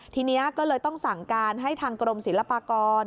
ทีนี้ก็เลยต้องสั่งการให้ทางกรมศิลปากร